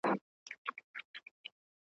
کرښه د باندي ایستلې چا ده